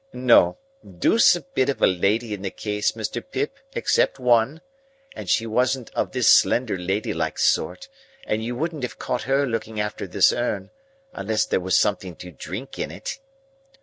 No; deuce a bit of a lady in the case, Mr. Pip, except one,—and she wasn't of this slender lady like sort, and you wouldn't have caught her looking after this urn, unless there was something to drink in it."